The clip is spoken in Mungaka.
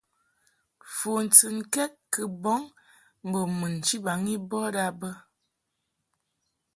Fu ntɨnkɛd kɨ bɔŋ mbo mun nchibaŋ i bɔd a bə.